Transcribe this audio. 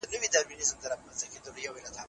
استازي به له خپلو سفرونو څخه راپورونه وړاندي کړي.